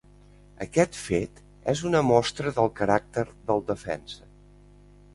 Aquest fet és una mostra del caràcter del defensa.